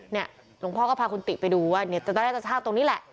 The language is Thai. เนี่ยหลวงพ่อก็พาคุณติไปดูว่าเนี่ยตั้งแต่ว่าจะสร้างตรงนี้แหละ